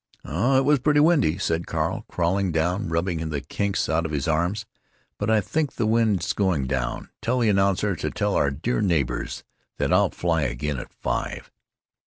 "Oh, it was pretty windy," said Carl, crawling down and rubbing the kinks out of his arms. "But I think the wind 's going down. Tell the announcer to tell our dear neighbors that I'll fly again at five."